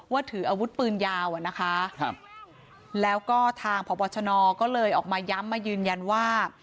ว่าถืออาวุธปืนยาวแล้วก็ทางผอบวชนก็เลยออกมาย้ำมายืนยันว่า